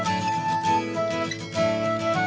ambil ini semua